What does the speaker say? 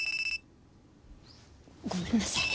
ごめんなさい。